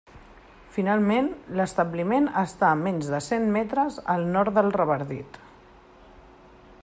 Finalment, l'establiment està a menys de cent metres al nord del Revardit.